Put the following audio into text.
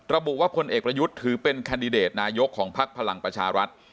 ระบุว่าพลเอกประยุทธ์ถือเป็นแคนดิเดตนายกของพักพลังประชารัฐ